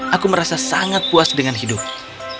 aku merasa sangat puas dengan hidupku